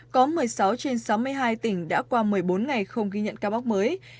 có một mươi sáu trên sáu mươi hai tỉnh đã qua một mươi bốn ngày không ghi nhận ca mắc mới